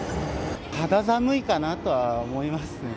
肌寒いかなとは思いますね。